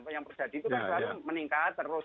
yang terjadi itu kan selalu meningkat terus